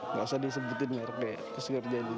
nggak usah disebutin ya kayak kesegar jadi